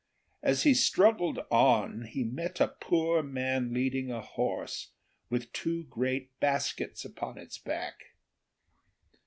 As he struggled on he met a poor man leading a horse with two great baskets upon its back.